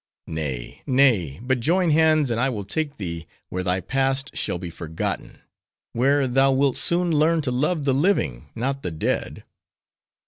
"Nay, nay; but join hands, and I will take thee, where thy Past shall be forgotten; where thou wilt soon learn to love the living, not the dead."